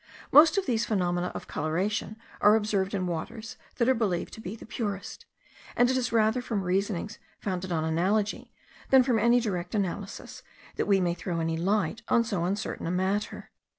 Most of these phenomena of coloration are observed in waters that are believed to be the purest; and it is rather from reasonings founded on analogy, than from any direct analysis, that we may throw any light on so uncertain a matter.